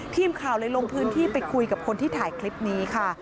ทีมข่าวเลยลงพื้นที่ไปคุยกับคนที่ถ่ายคลิปนี้ค่ะ